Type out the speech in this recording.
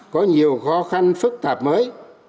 có nhiều khó khăn phức tạp mới